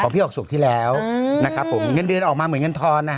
พี่ออกศุกร์ที่แล้วนะครับผมเงินเดือนออกมาเหมือนเงินทอนนะฮะ